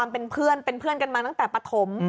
เป็นเพื่อนกันมาตั้งแต่ปฐม